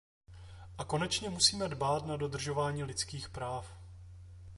A konečně musíme dbát na dodržování lidských práv.